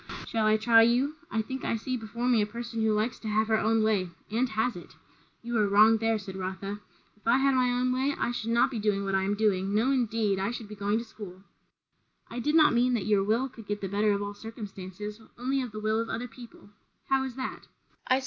"Shall I try you? I think I see before me a person who likes to have her own way and has it." "You are wrong there," said Rotha. "If I had my own way, I should not be doing what I am doing; no indeed! I should be going to school." "I did not mean that your will could get the better of all circumstances; only of the will of other people.